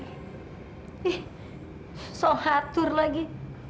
ih soal hattur lagi